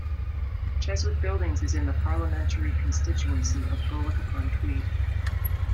Cheswick Buildings is in the parliamentary constituency of Berwick-upon-Tweed.